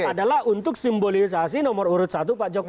adalah untuk simbolisasi nomor urut satu pak jokowi